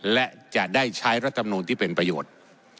และจะได้ใช้รัฐมนูลที่เป็นประโยชน์